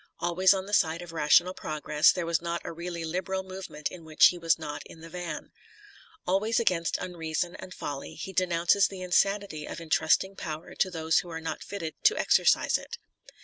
Always on the side of rational progress, there was not a really liberal movement in which he was not in the van. Always against unreason and folly, he denounces the insanity of entrusting power to those who are not fitted to exercise it.